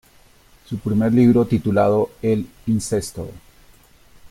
Su primer libro, titulado ""El Incesto.